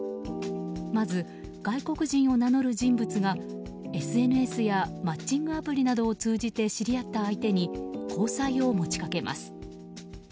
まず外国人を名乗る人物がＳＮＳやマッチングアプリなどを通じて知り合った相手に交際を持ち掛けます。